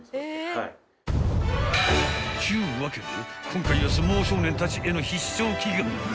［ちゅうわけで今回は相撲少年たちへの必勝祈願］